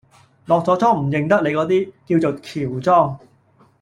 落咗妝唔認得你嗰啲，叫做喬裝